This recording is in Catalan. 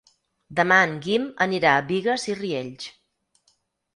Demà en Guim anirà a Bigues i Riells.